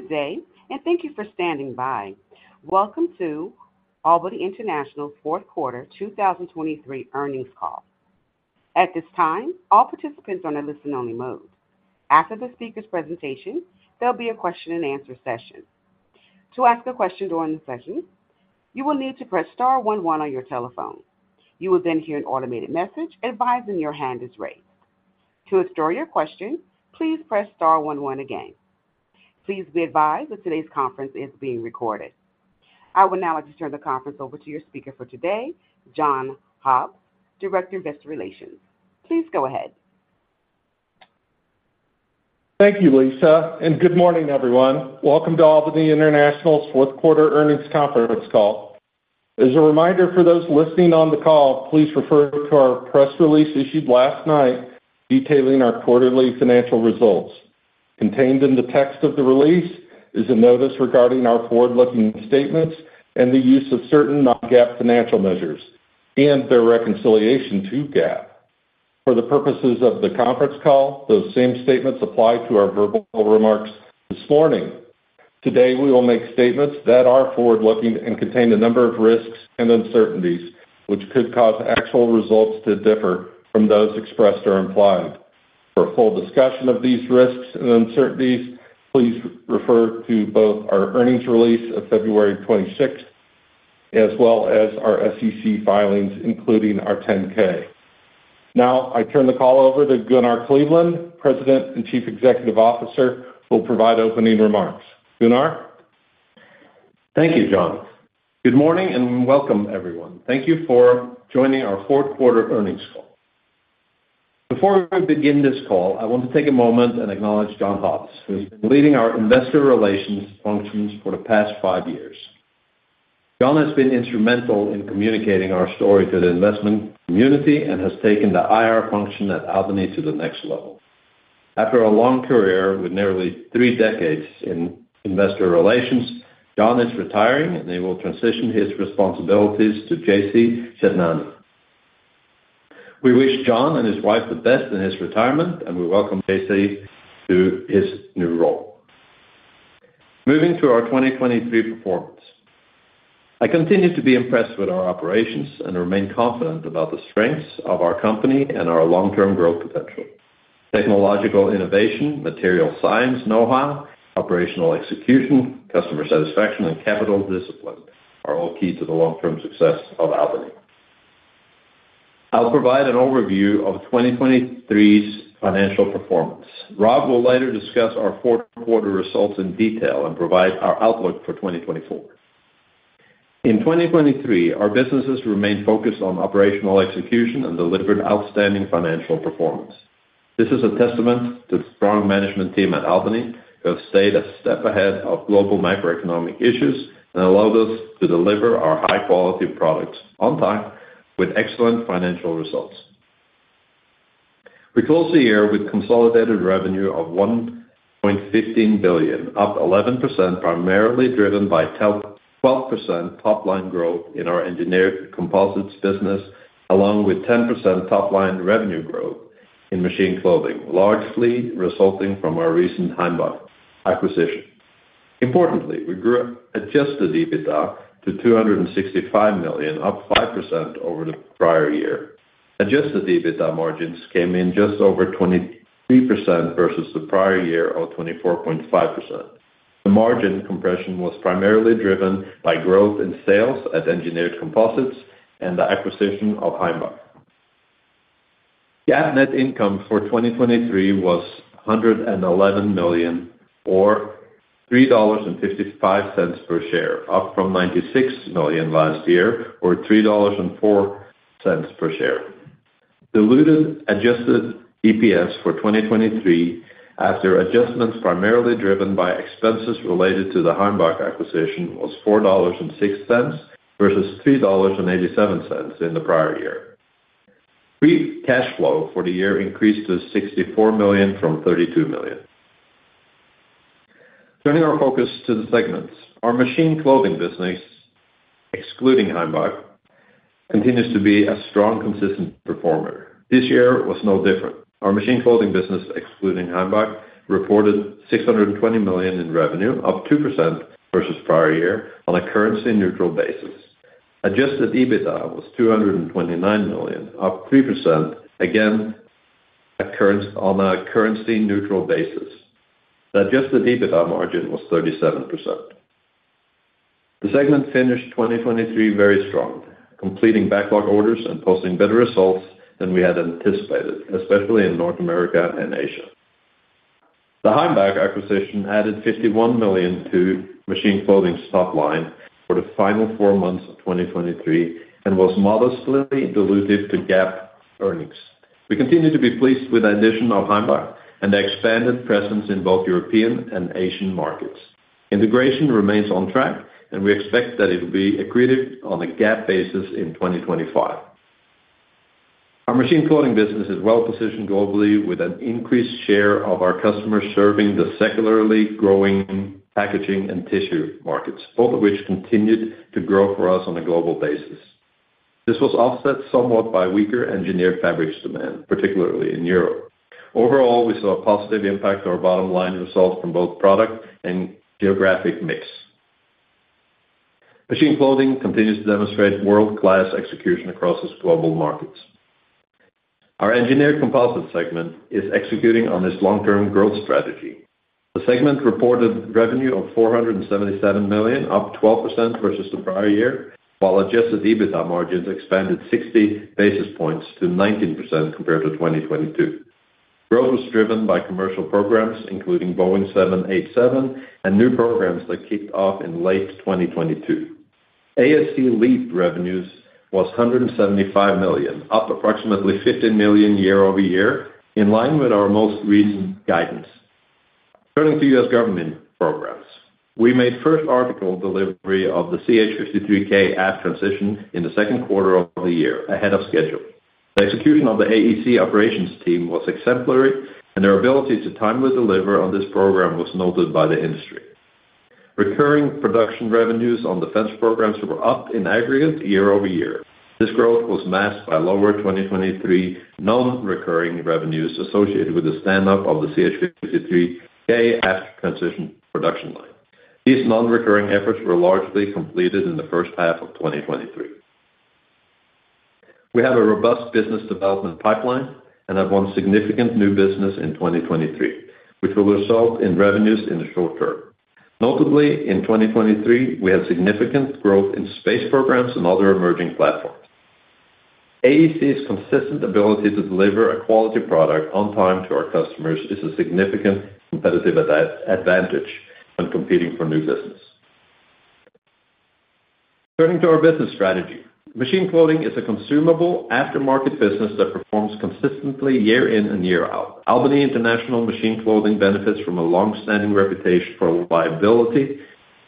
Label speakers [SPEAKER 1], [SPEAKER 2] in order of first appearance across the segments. [SPEAKER 1] Good day, and thank you for standing by. Welcome to Albany International's fourth quarter 2023 earnings call. At this time, all participants are in a listen-only mode. After the speaker's presentation, there'll be a question-and-answer session. To ask a question during the session, you will need to press star one one on your telephone. You will then hear an automated message advising your hand is raised. To withdraw your question, please press star one one again. Please be advised that today's conference is being recorded. I would now like to turn the conference over to your speaker for today, John Hobbs, Director of Investor Relations. Please go ahead.
[SPEAKER 2] Thank you, Lisa, and good morning, everyone. Welcome to Albany International's fourth quarter earnings conference call. As a reminder for those listening on the call, please refer to our press release issued last night detailing our quarterly financial results. Contained in the text of the release is a notice regarding our forward-looking statements and the use of certain non-GAAP financial measures and their reconciliation to GAAP. For the purposes of the conference call, those same statements apply to our verbal remarks this morning. Today, we will make statements that are forward-looking and contain a number of risks and uncertainties, which could cause actual results to differ from those expressed or implied. For a full discussion of these risks and uncertainties, please refer to both our earnings release of February twenty-sixth, as well as our SEC filings, including our 10-K. Now, I turn the call over to Gunnar Kleveland, President and Chief Executive Officer, who will provide opening remarks. Gunnar?
[SPEAKER 3] Thank you, John. Good morning, and welcome, everyone. Thank you for joining our fourth quarter earnings call. Before we begin this call, I want to take a moment and acknowledge John Hobbs, who's been leading our investor relations functions for the past five years. John has been instrumental in communicating our story to the investment community and has taken the IR function at Albany to the next level. After a long career with nearly three decades in investor relations, John is retiring, and he will transition his responsibilities to JC Chetnani. We wish John and his wife the best in his retirement, and we welcome JC to his new role. Moving to our 2023 performance. I continue to be impressed with our operations and remain confident about the strengths of our company and our long-term growth potential. Technological innovation, material science know-how, operational execution, customer satisfaction, and capital discipline are all key to the long-term success of Albany. I'll provide an overview of 2023's financial performance. Rob will later discuss our fourth quarter results in detail and provide our outlook for 2024. In 2023, our businesses remained focused on operational execution and delivered outstanding financial performance. This is a testament to the strong management team at Albany, who have stayed a step ahead of global macroeconomic issues and allowed us to deliver our high-quality products on time with excellent financial results. We closed the year with consolidated revenue of $1.15 billion, up 11%, primarily driven by 12% top-line growth in our Engineered Composites business, along with 10% top-line revenue growth in Machine Clothing, largely resulting from our recent Heimbach acquisition. Importantly, we grew adjusted EBITDA to $265 million, up 5% over the prior year. Adjusted EBITDA margins came in just over 23% versus the prior year of 24.5%. The margin compression was primarily driven by growth in sales at Engineered Composites and the acquisition of Heimbach. GAAP net income for 2023 was $111 million, or $3.55 per share, up from $96 million last year, or $3.04 per share. Diluted adjusted EPS for 2023, after adjustments primarily driven by expenses related to the Heimbach acquisition, was $4.06 versus $3.87 in the prior year. Free cash flow for the year increased to $64 million from $32 million. Turning our focus to the segments. Our Machine Clothing business, excluding Heimbach, continues to be a strong, consistent performer. This year was no different. Our Machine Clothing business, excluding Heimbach, reported $620 million in revenue, up 2% versus prior year on a currency-neutral basis. Adjusted EBITDA was $229 million, up 3%, again, on a currency-neutral basis. The adjusted EBITDA margin was 37%. The segment finished 2023 very strong, completing backlog orders and posting better results than we had anticipated, especially in North America and Asia. The Heimbach acquisition added $51 million to Machine Clothing's top line for the final four months of 2023 and was modestly dilutive to GAAP earnings. We continue to be pleased with the addition of Heimbach and the expanded presence in both European and Asian markets. Integration remains on track, and we expect that it will be accretive on a GAAP basis in 2025. Our Machine Clothing business is well positioned globally, with an increased share of our customers serving the secularly growing packaging and tissue markets, both of which continued to grow for us on a global basis. This was offset somewhat by weaker engineered fabrics demand, particularly in Europe. Overall, we saw a positive impact on our bottom line results from both product and geographic mix. Machine Clothing continues to demonstrate world-class execution across its global markets. Our Engineered Composites segment is executing on its long-term growth strategy. The segment reported revenue of $477 million, up 12% versus the prior year, while adjusted EBITDA margins expanded 60 basis points to 19% compared to 2022. Growth was driven by commercial programs, including Boeing 787, and new programs that kicked off in late 2022. ASC LEAP revenues was $175 million, up approximately $50 million year-over-year, in line with our most recent guidance. Turning to U.S. government programs. We made first article delivery of the CH-53K aft transition in the second quarter of the year, ahead of schedule. The execution of the AEC operations team was exemplary, and their ability to timely deliver on this program was noted by the industry. Recurring production revenues on defense programs were up in aggregate year-over-year. This growth was masked by lower 2023 non-recurring revenues associated with the stand-up of the CH-53K aft transition production line. These non-recurring efforts were largely completed in the first half of 2023. We have a robust business development pipeline and have won significant new business in 2023, which will result in revenues in the short term. Notably, in 2023, we had significant growth in space programs and other emerging platforms. AEC's consistent ability to deliver a quality product on time to our customers is a significant competitive advantage when competing for new business. Turning to our business strategy. Machine Clothing is a consumable aftermarket business that performs consistently year in and year out. Albany International Machine Clothing benefits from a long-standing reputation for reliability,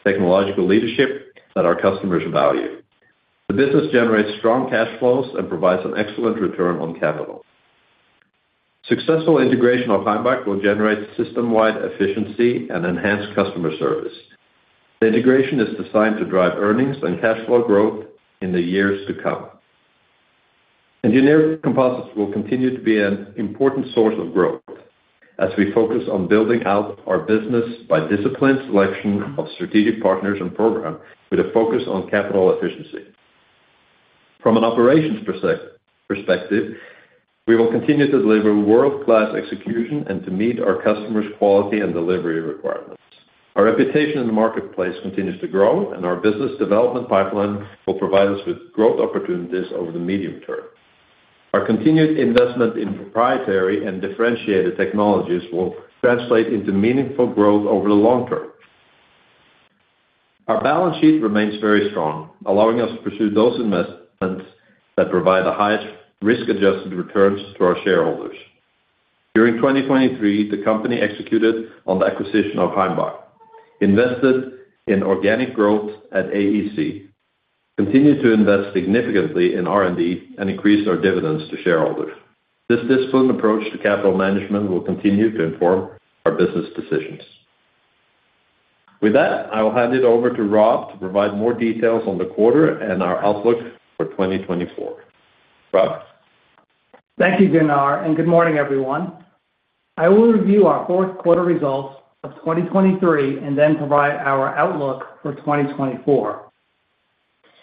[SPEAKER 3] technological leadership that our customers value. The business generates strong cash flows and provides an excellent return on capital. Successful integration of Heimbach will generate system-wide efficiency and enhanced customer service. The integration is designed to drive earnings and cash flow growth in the years to come. Engineered Composites will continue to be an important source of growth as we focus on building out our business by disciplined selection of strategic partners and programs with a focus on capital efficiency. From an operations perspective, we will continue to deliver world-class execution and to meet our customers' quality and delivery requirements. Our reputation in the marketplace continues to grow, and our business development pipeline will provide us with growth opportunities over the medium term. Our continued investment in proprietary and differentiated technologies will translate into meaningful growth over the long term. Our balance sheet remains very strong, allowing us to pursue those investments that provide the highest risk-adjusted returns to our shareholders. During 2023, the company executed on the acquisition of Heimbach, invested in organic growth at AEC, continued to invest significantly in R&D, and increased our dividends to shareholders. This disciplined approach to capital management will continue to inform our business decisions. With that, I will hand it over to Rob to provide more details on the quarter and our outlook for 2024. Rob?
[SPEAKER 4] Thank you, Gunnar, and good morning, everyone. I will review our fourth quarter results of 2023 and then provide our outlook for 2024.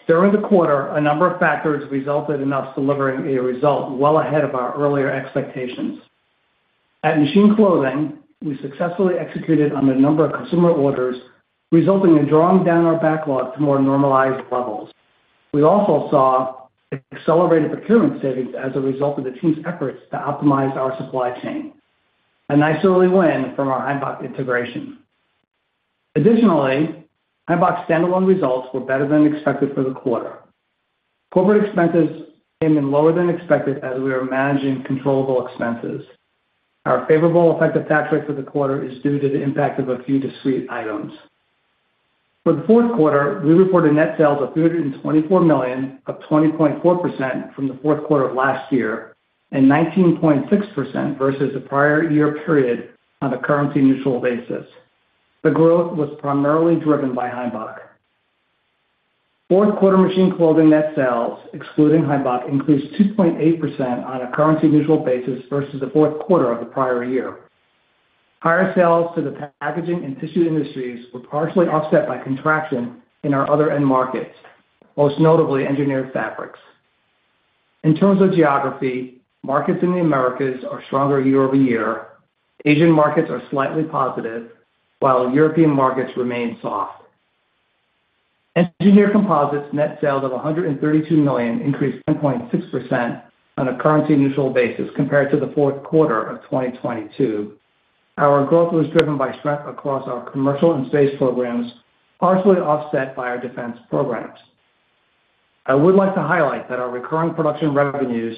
[SPEAKER 4] During the quarter, a number of factors resulted in us delivering a result well ahead of our earlier expectations. At Machine Clothing, we successfully executed on a number of consumer orders, resulting in drawing down our backlog to more normalized levels. We also saw accelerated procurement savings as a result of the team's efforts to optimize our supply chain, a nice early win from our Heimbach integration. Additionally, Heimbach's standalone results were better than expected for the quarter. Corporate expenses came in lower than expected as we are managing controllable expenses. Our favorable effective tax rate for the quarter is due to the impact of a few discrete items. For the fourth quarter, we reported net sales of $324 million, up 20.4% from the fourth quarter of last year, and 19.6% versus the prior year period on a currency-neutral basis. The growth was primarily driven by Heimbach. Fourth quarter Machine Clothing net sales, excluding Heimbach, increased 2.8% on a currency-neutral basis versus the fourth quarter of the prior year. Higher sales to the packaging and tissue industries were partially offset by contraction in our other end markets, most notably engineered fabrics. In terms of geography, markets in the Americas are stronger year-over-year, Asian markets are slightly positive, while European markets remain soft. Engineered Composites net sales of $132 million increased 10.6% on a currency-neutral basis compared to the fourth quarter of 2022. Our growth was driven by strength across our commercial and space programs, partially offset by our defense programs. I would like to highlight that our recurring production revenues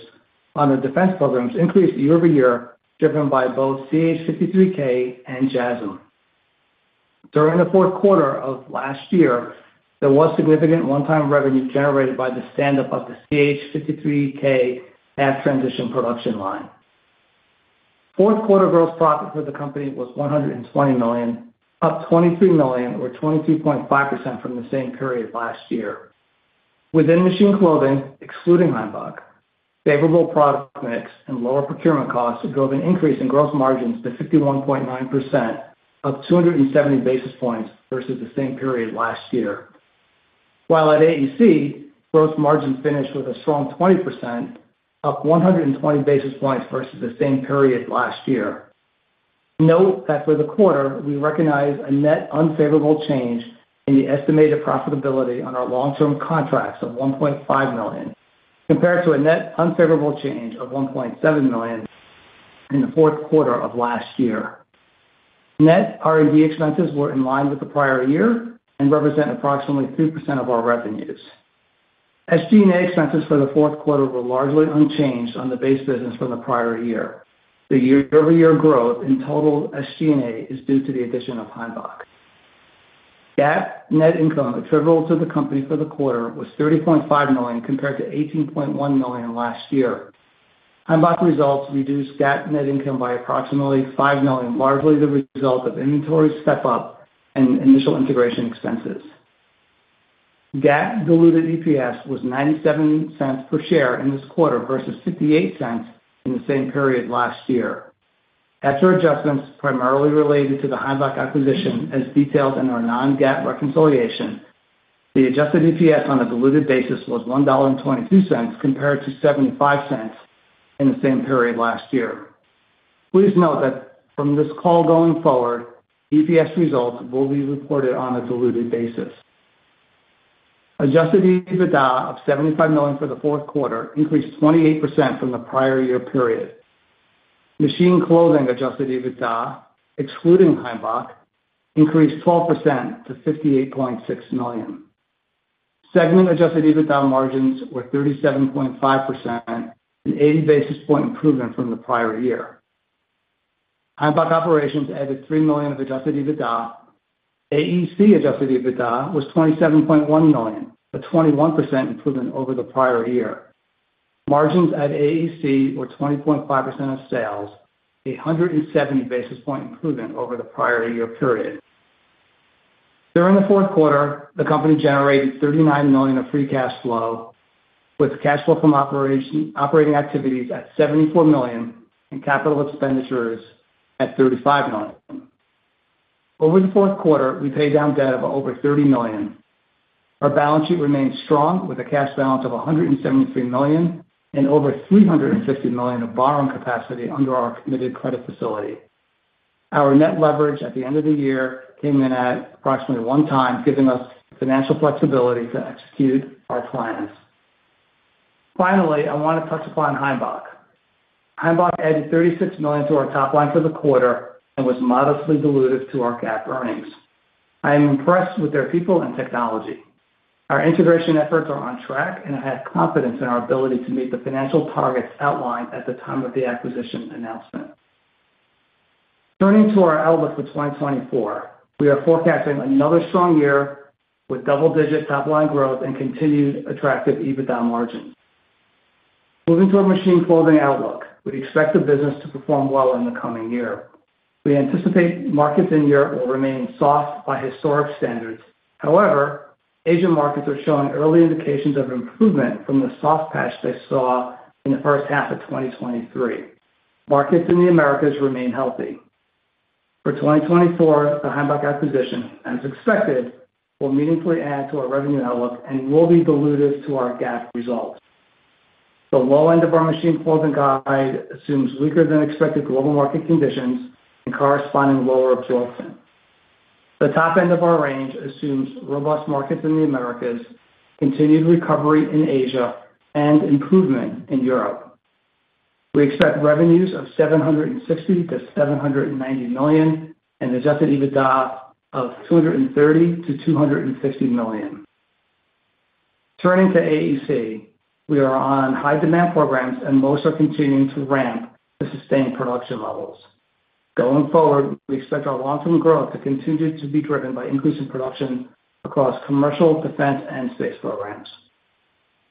[SPEAKER 4] on the defense programs increased year-over-year, driven by both CH-53K and JASSM. During the fourth quarter of last year, there was significant one-time revenue generated by the stand-up of the CH-53K aft transition production line. Fourth quarter gross profit for the company was $120 million, up $23 million or 22.5% from the same period last year. Within Machine Clothing, excluding Heimbach, favorable product mix and lower procurement costs drove an increase in gross margins to 51.9%, up 270 basis points versus the same period last year. While at AEC, gross margins finished with a strong 20%, up 120 basis points versus the same period last year. Note that for the quarter, we recognized a net unfavorable change in the estimated profitability on our long-term contracts of $1.5 million, compared to a net unfavorable change of $1.7 million in the fourth quarter of last year. Net R&D expenses were in line with the prior year and represent approximately 3% of our revenues. SG&A expenses for the fourth quarter were largely unchanged on the base business from the prior year. The year-over-year growth in total SG&A is due to the addition of Heimbach. GAAP net income attributable to the company for the quarter was $30.5 million, compared to $18.1 million last year. Heimbach results reduced GAAP net income by approximately $5 million, largely the result of inventory step-up and initial integration expenses. GAAP diluted EPS was $0.97 per share in this quarter versus $0.68 in the same period last year. After adjustments primarily related to the Heimbach acquisition, as detailed in our non-GAAP reconciliation, the adjusted EPS on a diluted basis was $1.22, compared to $0.75 in the same period last year. Please note that from this call going forward, EPS results will be reported on a diluted basis. Adjusted EBITDA of $75 million for the fourth quarter increased 28% from the prior year period. Machine Clothing adjusted EBITDA, excluding Heimbach, increased 12% to $58.6 million. Segment adjusted EBITDA margins were 37.5%, an 80 basis point improvement from the prior year. Heimbach operations added $3 million of adjusted EBITDA. AEC adjusted EBITDA was $27.1 million, a 21% improvement over the prior year. Margins at AEC were 20.5% of sales, a 170 basis point improvement over the prior year period. During the fourth quarter, the company generated $39 million of free cash flow, with cash flow from operating activities at $74 million and capital expenditures at $35 million. Over the fourth quarter, we paid down debt of over $30 million. Our balance sheet remains strong, with a cash balance of $173 million and over $350 million of borrowing capacity under our committed credit facility. Our net leverage at the end of the year came in at approximately 1x, giving us financial flexibility to execute our plans. Finally, I want to touch upon Heimbach. Heimbach added $36 million to our top line for the quarter and was modestly dilutive to our GAAP earnings. I am impressed with their people and technology. Our integration efforts are on track, and I have confidence in our ability to meet the financial targets outlined at the time of the acquisition announcement. Turning to our outlook for 2024. We are forecasting another strong year with double-digit top-line growth and continued attractive EBITDA margins. Moving to our Machine Clothing outlook, we expect the business to perform well in the coming year. We anticipate markets in Europe will remain soft by historic standards. However, Asian markets are showing early indications of improvement from the soft patch they saw in the first half of 2023. Markets in the Americas remain healthy. For 2024, the Heimbach acquisition, as expected, will meaningfully add to our revenue outlook and will be dilutive to our GAAP results. The low end of our Machine Clothing guide assumes weaker than expected global market conditions and corresponding lower absorption. The top end of our range assumes robust markets in the Americas, continued recovery in Asia, and improvement in Europe. We expect revenues of $760 million-$790 million, and adjusted EBITDA of $230 million-$250 million. Turning to AEC, we are on high demand programs, and most are continuing to ramp to sustain production levels. Going forward, we expect our long-term growth to continue to be driven by increasing production across commercial, defense, and space programs.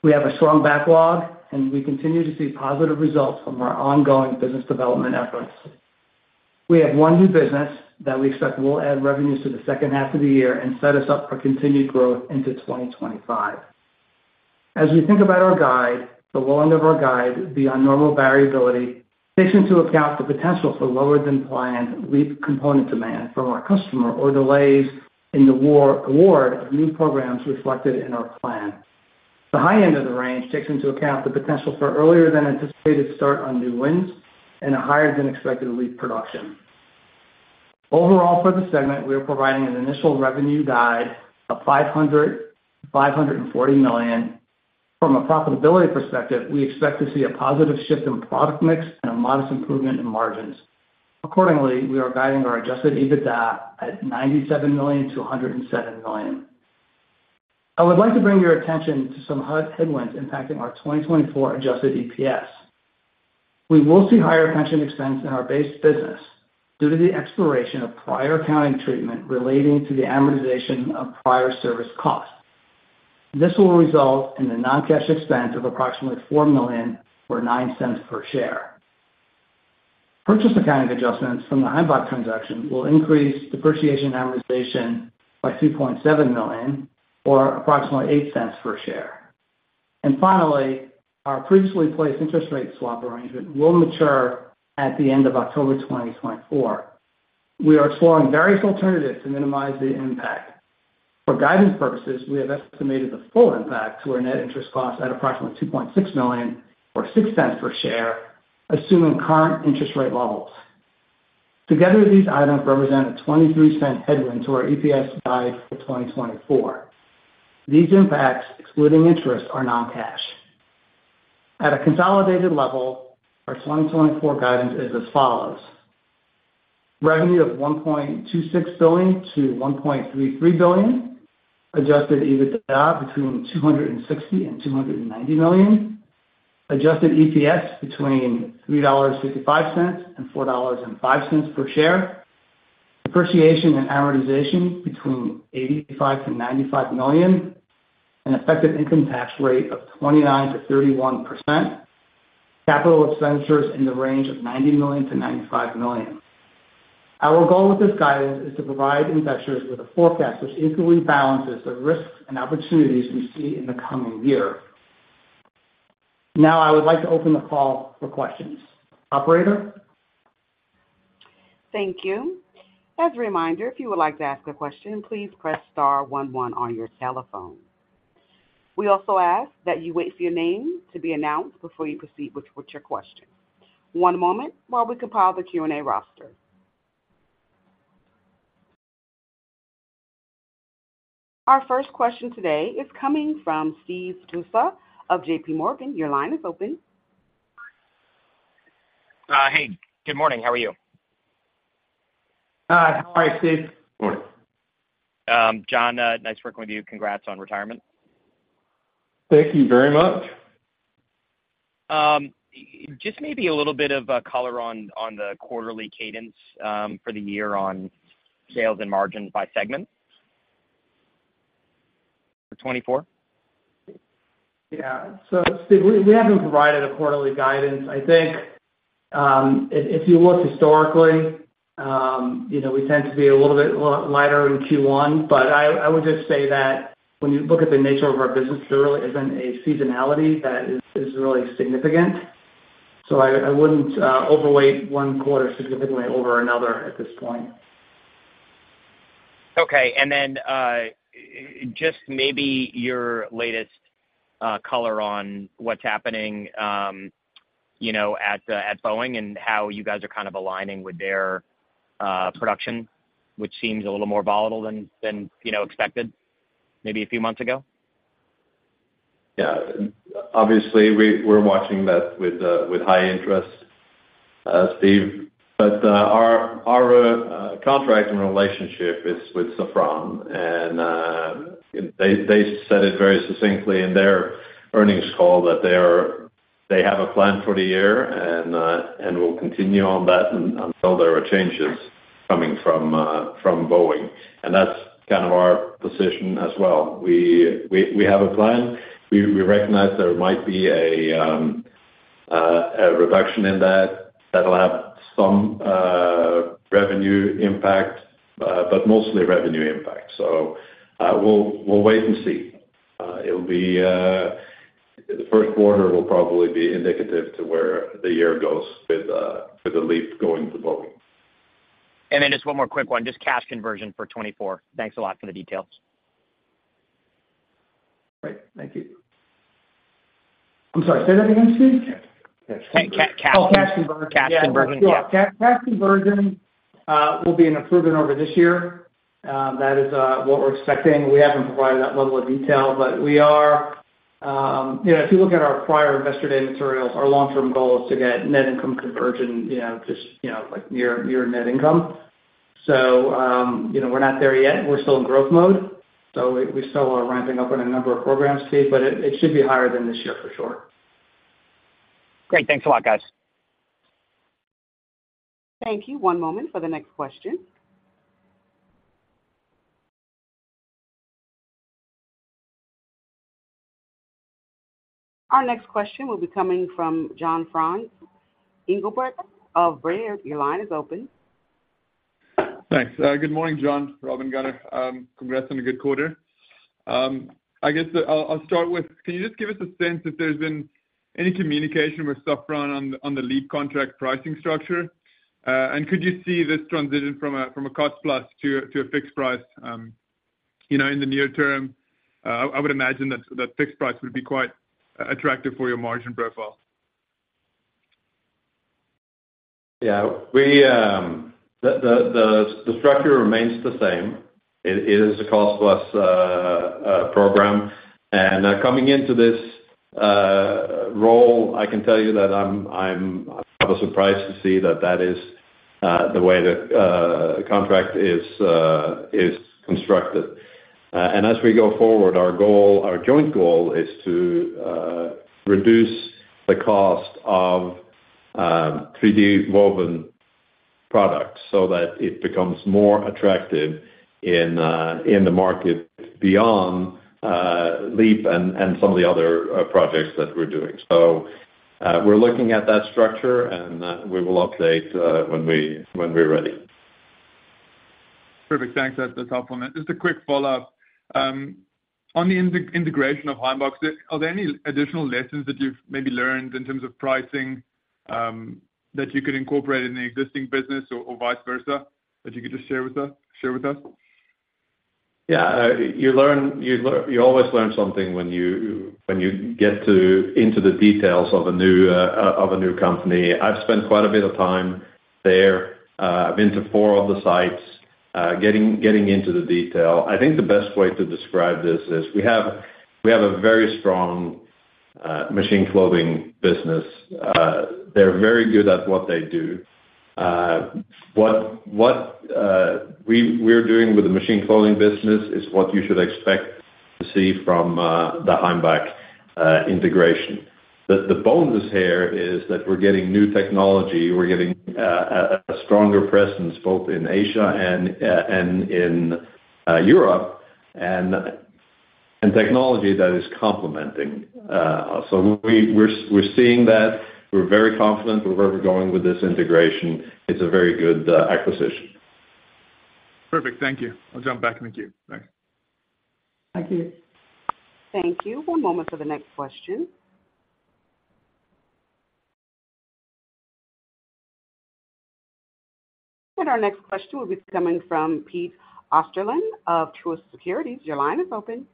[SPEAKER 4] We have a strong backlog, and we continue to see positive results from our ongoing business development efforts. We have one new business that we expect will add revenues to the second half of the year and set us up for continued growth into 2025. As we think about our guide, the low end of our guide is beyond normal variability, taking into account the potential for lower than planned LEAP component demand from our customer or delays in the award of new programs reflected in our plan. The high end of the range takes into account the potential for earlier than anticipated start on new wins and a higher than expected LEAP production. Overall, for the segment, we are providing an initial revenue guide of $500 million-$540 million. From a profitability perspective, we expect to see a positive shift in product mix and a modest improvement in margins. Accordingly, we are guiding our adjusted EBITDA at $97 million-$107 million. I would like to bring your attention to some headwinds impacting our 2024 adjusted EPS. We will see higher pension expense in our base business due to the expiration of prior accounting treatment relating to the amortization of prior service costs. This will result in a non-cash expense of approximately $4 million or $0.09 per share. Purchase accounting adjustments from the Heimbach transaction will increase depreciation amortization by $2.7 million, or approximately $0.08 per share. And finally, our previously placed interest rate swap arrangement will mature at the end of October 2024. We are exploring various alternatives to minimize the impact. For guidance purposes, we have estimated the full impact to our net interest cost at approximately $2.6 million, or $0.06 per share, assuming current interest rate levels. Together, these items represent a 23-cent headwind to our EPS guide for 2024. These impacts, excluding interest, are non-cash. At a consolidated level, our 2024 guidance is as follows: revenue of $1.26 billion-$1.33 billion, adjusted EBITDA between $260 million and $290 million, adjusted EPS between $3.55 and $4.05 per share, depreciation and amortization between $85-$95 million, an effective income tax rate of 29%-31%, capital expenditures in the range of $90 million-$95 million. Our goal with this guidance is to provide investors with a forecast which equally balances the risks and opportunities we see in the coming year. Now, I would like to open the call for questions. Operator?
[SPEAKER 1] Thank you. As a reminder, if you would like to ask a question, please press star one one on your telephone. We also ask that you wait for your name to be announced before you proceed with your question. One moment while we compile the Q&A roster. Our first question today is coming from Steve Tusa of J.P. Morgan. Your line is open.
[SPEAKER 5] Hey, good morning. How are you?
[SPEAKER 4] How are you, Steve?
[SPEAKER 3] Morning.
[SPEAKER 5] John, nice working with you. Congrats on retirement.
[SPEAKER 2] Thank you very much.
[SPEAKER 5] Just maybe a little bit of color on the quarterly cadence for the year on sales and margins by segment, for 2024.
[SPEAKER 4] Yeah. So Steve, we haven't provided quarterly guidance. I think, if you look historically, you know, we tend to be a little bit lighter in Q1. But I would just say that when you look at the nature of our business, there really isn't a seasonality that is really significant. So I wouldn't overweight one quarter significantly over another at this point.
[SPEAKER 5] Okay. And then, just maybe your latest color on what's happening, you know, at, at Boeing and how you guys are kind of aligning with their production, which seems a little more volatile than, you know, expected maybe a few months ago.
[SPEAKER 3] Yeah. Obviously, we're watching that with high interest, Steve. But our contracting relationship is with Safran, and they said it very succinctly in their earnings call that they have a plan for the year, and we'll continue on that until there are changes coming from Boeing. And that's kind of our position as well. We have a plan. We recognize there might be a reduction in that that'll have some revenue impact, but mostly revenue impact. So we'll wait and see. It'll be... The first quarter will probably be indicative to where the year goes with for the LEAP going to Boeing.
[SPEAKER 5] Then just one more quick one, just cash conversion for 2024. Thanks a lot for the details.
[SPEAKER 3] Great. Thank you.
[SPEAKER 4] I'm sorry, say that again, Steve?
[SPEAKER 5] Cash-
[SPEAKER 4] Oh, cash conversion.
[SPEAKER 5] Cash conversion, yeah.
[SPEAKER 4] Yeah, cash, cash conversion, will be an improvement over this year. That is what we're expecting. We haven't provided that level of detail, but we are. You know, if you look at our prior Investor Day materials, our long-term goal is to get net income conversion, you know, just, you know, like, near, near net income. So, you know, we're not there yet. We're still in growth mode, so we, we still are ramping up on a number of programs, Steve, but it, it should be higher than this year, for sure.
[SPEAKER 5] Great. Thanks a lot, guys.
[SPEAKER 1] Thank you. One moment for the next question. Our next question will be coming from John Franzreb of Brean, your line is open.
[SPEAKER 6] Thanks. Good morning, John and Gunnar. Congrats on a good quarter. I guess I'll start with, can you just give us a sense if there's been any communication with Safran on the LEAP contract pricing structure? And could you see this transition from a cost plus to a fixed price, you know, in the near term? I would imagine that the fixed price would be quite attractive for your margin profile.
[SPEAKER 3] Yeah, we, the structure remains the same. It is a cost plus program. And coming into this role, I can tell you that I'm probably surprised to see that that is the way the contract is constructed. And as we go forward, our goal, our joint goal is to reduce the cost of 3D woven product, so that it becomes more attractive in the market beyond LEAP and some of the other projects that we're doing. So, we're looking at that structure, and we will update when we're ready.
[SPEAKER 6] Perfect. Thanks. That's a tough one. Just a quick follow-up. On the integration of Heimbach, are there any additional lessons that you've maybe learned in terms of pricing, that you could incorporate in the existing business or, or vice versa, that you could just share with us, share with us?
[SPEAKER 3] Yeah, you learn. You always learn something when you get into the details of a new company. I've spent quite a bit of time there. I've been to four of the sites, getting into the detail. I think the best way to describe this is we have a very strong Machine Clothing business. They're very good at what they do. What we're doing with the Machine Clothing business is what you should expect to see from the Heimbach integration. The bonus here is that we're getting new technology. We're getting a stronger presence both in Asia and in Europe, and technology that is complementing us. So we're seeing that. We're very confident with where we're going with this integration. It's a very good acquisition.
[SPEAKER 6] Perfect. Thank you. I'll jump back in the queue. Thanks.
[SPEAKER 3] Thank you.
[SPEAKER 1] Thank you. One moment for the next question. Our next question will be coming from Pete Osterland of Truist Securities. Your line is open.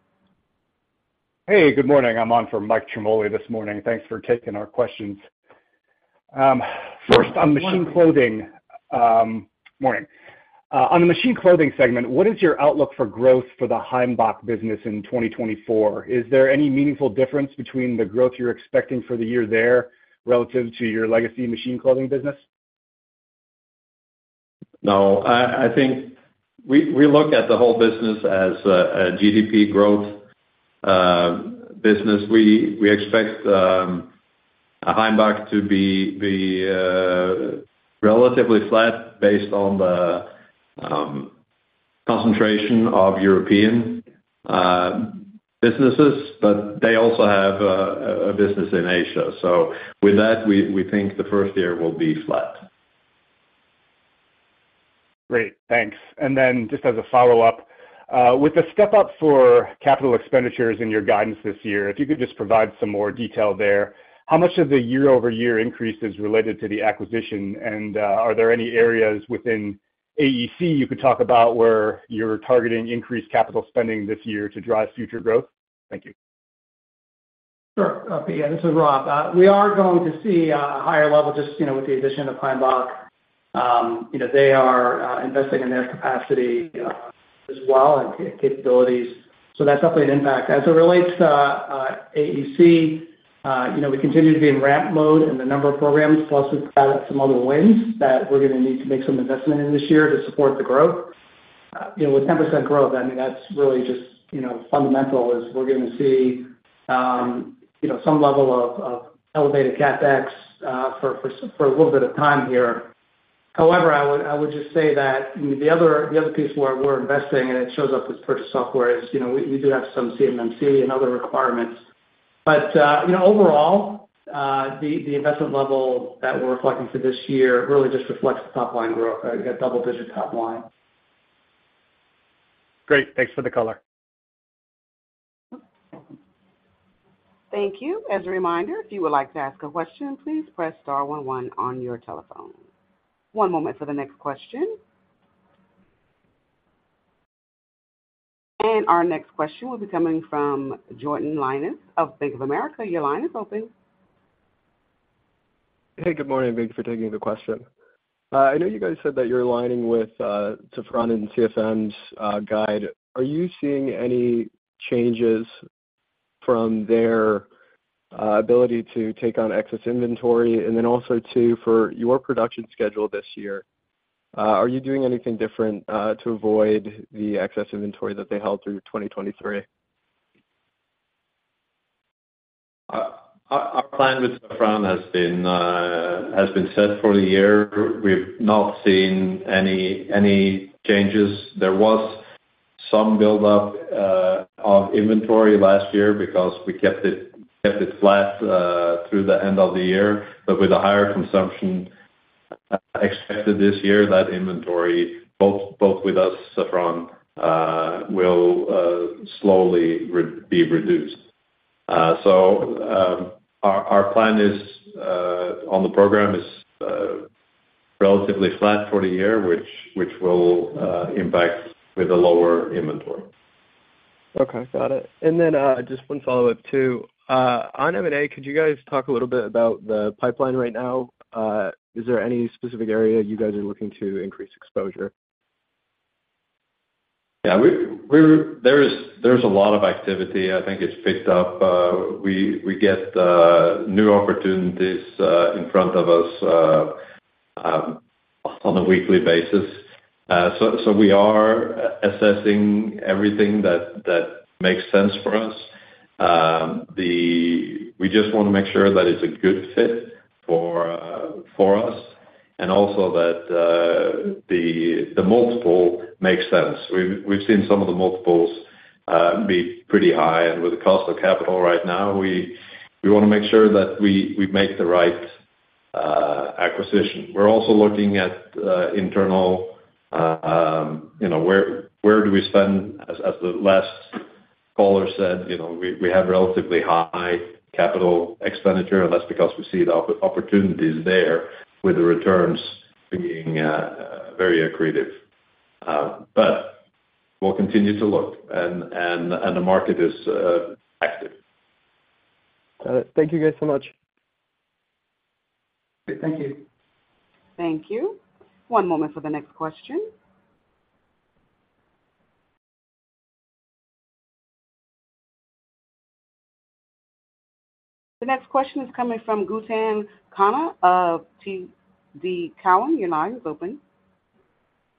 [SPEAKER 7] Hey, good morning. I'm on for Mike Ciarmoli this morning. Thanks for taking our questions. First on Machine Clothing, on the Machine Clothing segment, what is your outlook for growth for the Heimbach business in 2024? Is there any meaningful difference between the growth you're expecting for the year there relative to your legacy Machine Clothing business?
[SPEAKER 3] No, I think we look at the whole business as a GDP growth business. We expect Heimbach to be relatively flat based on the concentration of European businesses, but they also have a business in Asia. So with that, we think the first year will be flat.
[SPEAKER 7] Great, thanks. And then just as a follow-up, with the step up for capital expenditures in your guidance this year, if you could just provide some more detail there. How much of the year-over-year increase is related to the acquisition? And, are there any areas within AEC you could talk about where you're targeting increased capital spending this year to drive future growth? Thank you.
[SPEAKER 4] Sure, Pete, this is Rob. We are going to see a higher level just, you know, with the addition of Heimbach. You know, they are investing in their capacity as well and capabilities. So that's definitely an impact. As it relates to AEC, you know, we continue to be in ramp mode in a number of programs, plus we've added some other wins that we're gonna need to make some investment in this year to support the growth. You know, with 10% growth, I mean, that's really just, you know, fundamental, as we're gonna see some level of elevated CapEx for a little bit of time here. However, I would just say that the other piece where we're investing, and it shows up as purchased software, is, you know, we do have some CMMC and other requirements. But, you know, overall, the investment level that we're reflecting for this year really just reflects the top-line growth, got double digits top line.
[SPEAKER 7] Great. Thanks for the color.
[SPEAKER 1] Thank you. As a reminder, if you would like to ask a question, please press star one one on your telephone. One moment for the next question. And our next question will be coming from Jordan Lyonnais of Bank of America. Your line is open.
[SPEAKER 8] Hey, good morning. Thanks for taking the question. I know you guys said that you're aligning with Safran and CFM's guide. Are you seeing any changes from their ability to take on excess inventory? And then also, too, for your production schedule this year, are you doing anything different to avoid the excess inventory that they held through 2023?
[SPEAKER 3] Our plan with Safran has been set for the year. We've not seen any changes. There was some buildup on inventory last year because we kept it flat through the end of the year. But with the higher consumption expected this year, that inventory, both with us, Safran, will slowly be reduced. So, our plan on the program is relatively flat for the year, which will impact with a lower inventory.
[SPEAKER 8] Okay, got it. And then, just one follow-up too. On M&A, could you guys talk a little bit about the pipeline right now? Is there any specific area you guys are looking to increase exposure?
[SPEAKER 3] Yeah, we're—there's a lot of activity. I think it's picked up. We get new opportunities in front of us on a weekly basis. So we are assessing everything that makes sense for us. We just wanna make sure that it's a good fit for us, and also that the multiple makes sense. We've seen some of the multiples be pretty high, and with the cost of capital right now, we wanna make sure that we make the right acquisition. We're also looking at internal, you know, where do we spend, as the last caller said, you know, we have relatively high capital expenditure, and that's because we see the opportunities there with the returns being very accretive. But we'll continue to look, and the market is active.
[SPEAKER 8] All right. Thank you guys so much.
[SPEAKER 3] Thank you.
[SPEAKER 1] Thank you. One moment for the next question. The next question is coming from Gautam Khanna of TD Cowen. Your line is open.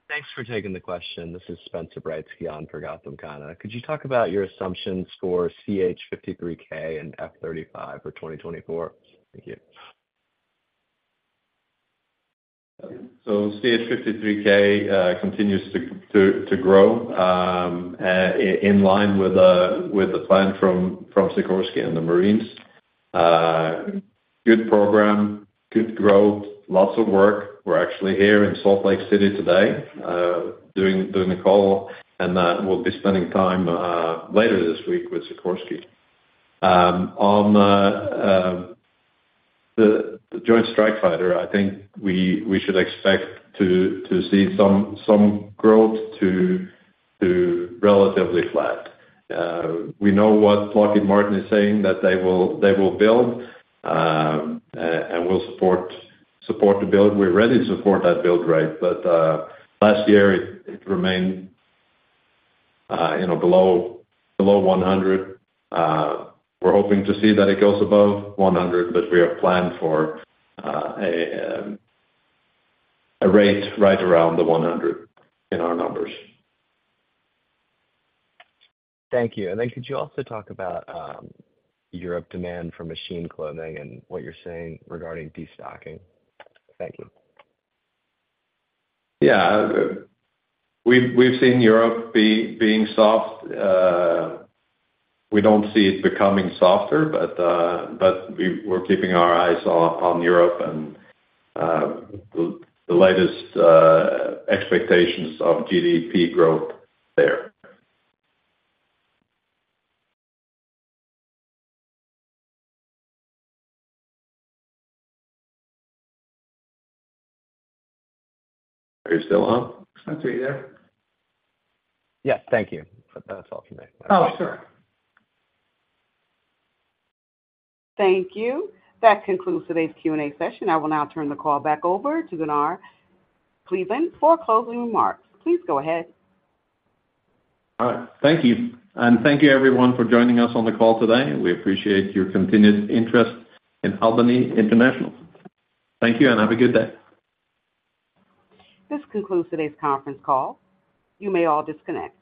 [SPEAKER 9] Thanks for taking the question. This is Spencer Breitzke on for Gautam Khanna. Could you talk about your assumptions for CH-53K and F-35 for 2024? Thank you.
[SPEAKER 3] So CH-53K continues to grow in line with the plan from Sikorsky and the Marines. Good program, good growth, lots of work. We're actually here in Salt Lake City today doing the call, and we'll be spending time later this week with Sikorsky. On the Joint Strike Fighter, I think we should expect to see some growth to relatively flat. We know what Lockheed Martin is saying, that they will build, and we'll support the build. We're ready to support that build rate, but last year it remained, you know, below 100. We're hoping to see that it goes above 100, but we have planned for a rate right around the 100 in our numbers.
[SPEAKER 9] Thank you. And then could you also talk about Europe demand for Machine Clothing and what you're seeing regarding destocking? Thank you.
[SPEAKER 3] Yeah. We've seen Europe being soft. We don't see it becoming softer, but we're keeping our eyes on Europe and the latest expectations of GDP growth there. Are you still on?
[SPEAKER 4] Spencer, are you there?
[SPEAKER 9] Yes, thank you. But that's all from me.
[SPEAKER 3] Oh, sure.
[SPEAKER 1] Thank you. That concludes today's Q&A session. I will now turn the call back over to Gunnar Kleveland for closing remarks. Please go ahead.
[SPEAKER 3] All right. Thank you. And thank you, everyone, for joining us on the call today. We appreciate your continued interest in Albany International. Thank you, and have a good day.
[SPEAKER 1] This concludes today's conference call. You may all disconnect.